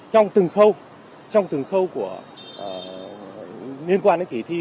trong từng khâu trong từng khâu của liên quan đến kỳ thi